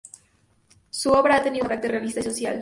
Su obra ha tenido un marcado carácter realista y social.